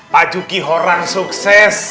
pak juki orang sukses